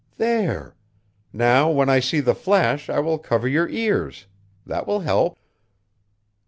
There! Now when I see the flash I will cover your ears. That will help."